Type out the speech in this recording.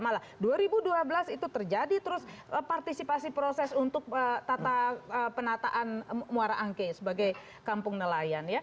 malah dua ribu dua belas itu terjadi terus partisipasi proses untuk tata penataan muara angke sebagai kampung nelayan